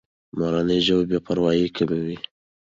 مورنۍ ژبه بې پروایي کموي.